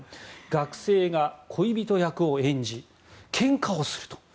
学生が恋人役を演じけんかをすると。